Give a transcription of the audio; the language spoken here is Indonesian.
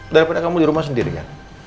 daripada kamu di rumah sendiri kan